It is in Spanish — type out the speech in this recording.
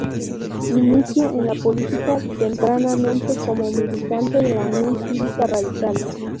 Inicia en la política tempranamente como militante de la Unión Cívica Radical.